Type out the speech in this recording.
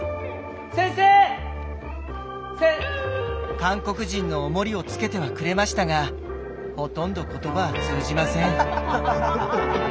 韓国人のお守りをつけてはくれましたがほとんど言葉は通じません。